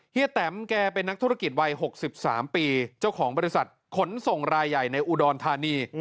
แตมแกเป็นนักธุรกิจวัย๖๓ปีเจ้าของบริษัทขนส่งรายใหญ่ในอุดรธานี